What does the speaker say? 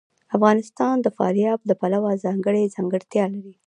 افغانستان د فاریاب د پلوه ځانته ځانګړتیا لري.